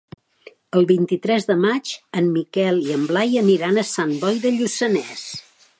El vint-i-tres de maig en Miquel i en Blai aniran a Sant Boi de Lluçanès.